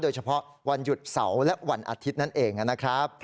โดยเฉพาะวันหยุดเสาร์และวันอาทิตย์นั่นเองนะครับ